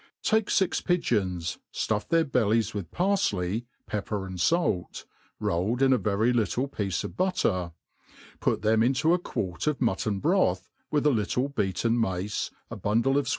TAKE fix pigeons, ftuflF their bellies with parfley, pepper, 9nd fait, rolled ih a very little piece of butter j put them into a quart of mutton broth, with a little beaten mace, a bundle of fw?